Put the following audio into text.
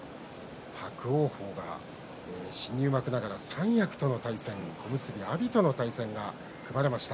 伯桜鵬が新入幕ながら三役との対戦小結阿炎との対戦が組まれました。